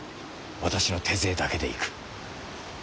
私の手勢だけで行く。